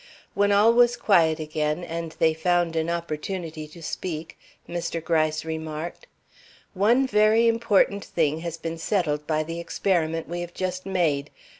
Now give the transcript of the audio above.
When all was quiet again, and they found an opportunity to speak, Mr. Gryce remarked: "One very important thing has been settled by the experiment we have just made.